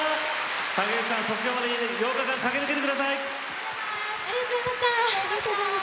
竹内さん、卒業まで駆け抜けてくださいね。